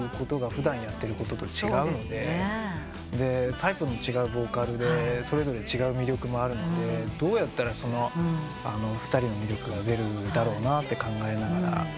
タイプの違うボーカルでそれぞれ違う魅力もあるのでどうやったら２人の魅力が出るだろうなって考えながら。